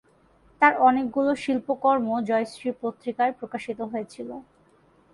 তার অনেকগুলো শিল্পকর্ম জয়শ্রী পত্রিকায় প্রকাশিত হয়েছিল।